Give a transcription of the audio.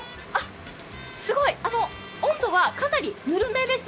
すごい、温度がかなりぬるめです。